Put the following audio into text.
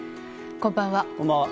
こんばんは。